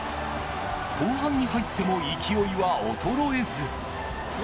後半に入っても勢いは衰えず。